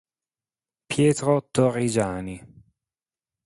Pietro Torrigiani